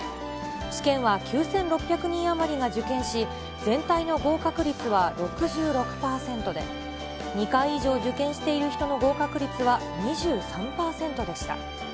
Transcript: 試験は９６００人余りが受験し、全体の合格率は６６％で、２回以上受験している人の合格率は、２３％でした。